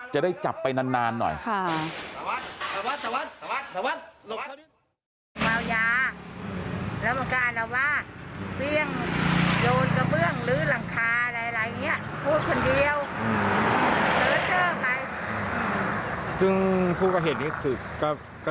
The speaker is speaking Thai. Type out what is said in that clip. จะได้จับไปนานหน่อย